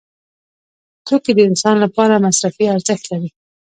توکي د انسان لپاره مصرفي ارزښت لري.